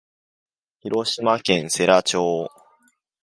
広島県世羅町